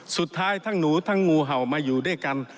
สุดท้ายทั้งหนูทั้งงูเห่ามาอยู่ด้วยกัน